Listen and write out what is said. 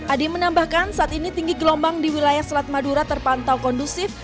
adi menambahkan saat ini tinggi gelombang di wilayah selat madura terpantau kondusif